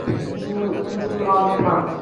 জিন, ইঞ্জিন বন্ধ কর।